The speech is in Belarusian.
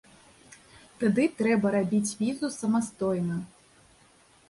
Тады трэба рабіць візу самастойна.